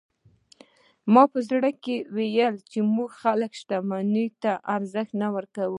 ما په زړه کې ویل چې زموږ خلک ملي شتمنیو ته ارزښت نه ورکوي.